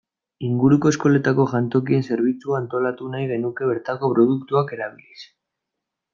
Inguruko eskoletako jantokien zerbitzua antolatu nahi genuke bertako produktuak erabiliz.